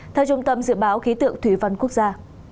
theo trung tâm dự báo khí tượng thủy văn quốc gia